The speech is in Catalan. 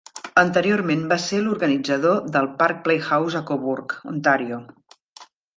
Anteriorment va ser l'organitzador del parc Playhouse a Cobourg, Ontario.